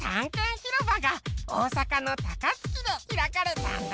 ひろばが大阪の高槻でひらかれたんだ。